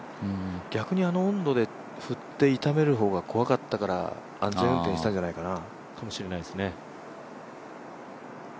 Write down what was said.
逆にあの温度で振って痛める方が心配だから安全運転したんじゃないかな。